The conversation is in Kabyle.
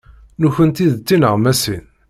Nekkenti d tineɣmasin.